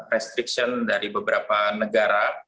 restriksi dari beberapa negara